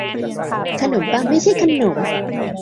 ขนมปังไม่ใช่ขนม